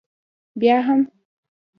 بیا هم؟